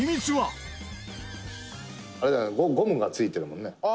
猿之助：「ゴムがついてるもんね？」